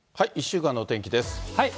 １週間のお天気です。